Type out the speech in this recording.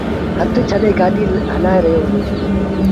هٿ ڇڏي گآڏيٚ هلآئي رهيو هُݩدو۔